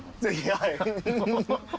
はい。